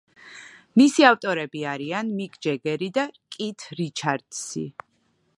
მისი ავტორები არიან მიკ ჯეგერი და კით რიჩარდსი.